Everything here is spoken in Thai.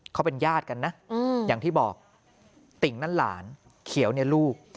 เขาเป็นญาติกันนะอย่างที่บอกติ่งนั่นหลานเขียวเนี่ยลูก